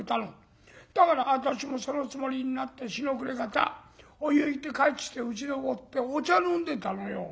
だから私もそのつもりになって日の暮れ方お湯行って帰ってきてうちでもってお茶飲んでたのよ。